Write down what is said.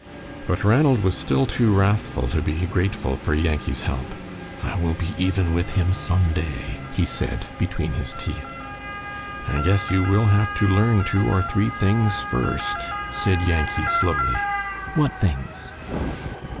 But Ranald was still too wrathful to be grateful for Yankee's help. "I will be even with him someday," he said, between his teeth. "I guess you will have to learn two or three things first," said Yankee, slowly. "What things?"